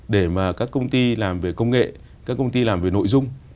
để mà các công ty làm về công nghệ các công ty làm về nội dung